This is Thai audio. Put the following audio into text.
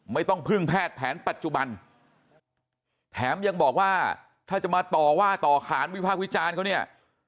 ไม่ต้องพึ่งแพทย์แผนปัจจุบันแถมยังบอกว่าถ้าจะมาต่อว่าต่อขานวิพากษ์วิจารณ์เขาเนี่ย